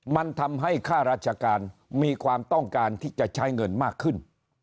มันทำให้ค่าราชการมีความต้องการที่จะใช้เงินมากขึ้น